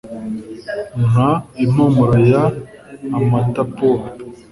Nk impumuro y amatapuwa